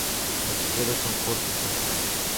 Las orejas son cortas y anchas.